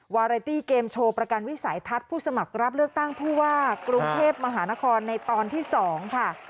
วาไรตี้เกมโชว์ประกันวิสัยทัศน์ผู้สมัครรับเลือกตั้งผู้ว่ากรุงเทพมหานครในตอนที่๒ค่ะ